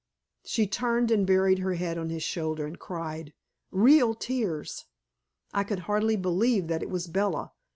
She turned and buried her head on his shoulder and cried; real tears. I could hardly believe that it was Bella.